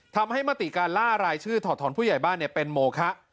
มติการล่ารายชื่อถอดถอนผู้ใหญ่บ้านเป็นโมคะ